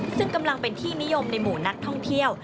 ซึ่งกำลังเป็นที่นิยมในหมู่นักท่องเที่ยว